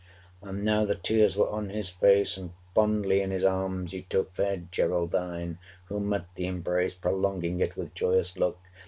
And now the tears were on his face, And fondly in his arms he took Fair Geraldine, who met the embrace, Prolonging it with joyous look.